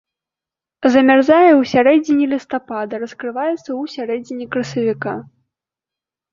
Замярзае ў сярэдзіне лістапада, раскрываецца ў сярэдзіне красавіка.